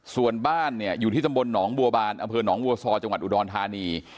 ส่วนบ้านเนี่ยอยู่ที่ตำบลหนองบัวบานอำเภอหนองวัวซอจังหวัดอุดรธานี